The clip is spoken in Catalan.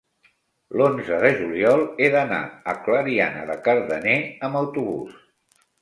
l'onze de juliol he d'anar a Clariana de Cardener amb autobús.